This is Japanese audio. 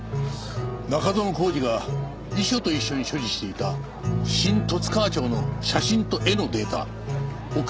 中園宏司が遺書と一緒に所持していた新十津川町の写真と絵のデータ送ってくれないか？